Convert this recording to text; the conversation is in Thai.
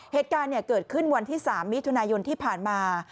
เหตุการณ์เกิดขึ้นวันที่๓มิถุนายนที่ผ่านมา